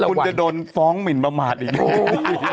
เดี๋ยวคุณจะโดนฟ้องก์หมิ่นประมาทอีกเลย